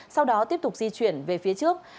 sau đó tiếp tục di chuyển về phía trước